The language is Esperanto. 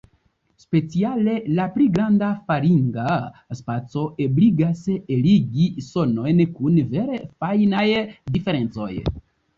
Speciale la pli granda faringa spaco ebligas eligi sonojn kun vere fajnaj diferencoj.